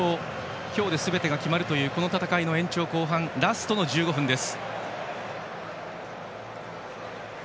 今日ですべてが決まるというこの戦いの延長後半ラストの１５分です。